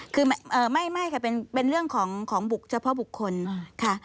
คือไม่ค่ะเป็นเรื่องของบุกเฉพาะบุคคลค่ะ